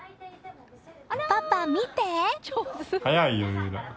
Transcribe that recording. パパ、見て！